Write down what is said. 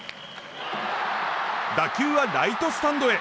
打球はライトスタンドへ。